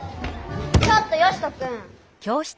ちょっとヨシトくん。